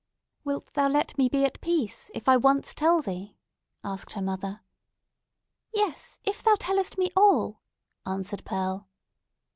"Wilt thou let me be at peace, if I once tell thee?" asked her mother. "Yes, if thou tellest me all," answered Pearl.